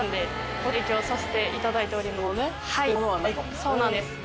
そうなんです。